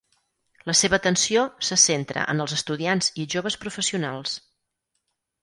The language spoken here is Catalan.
La seva atenció se centra en els estudiants i joves professionals.